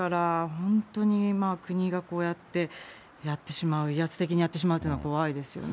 本当に国がこうやってやってしまう、威圧的にやってしまうっていうのは怖いですよね。